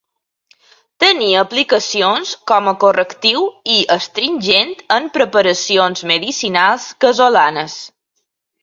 Tenia aplicacions com a correctiu i astringent en preparacions medicinals casolanes.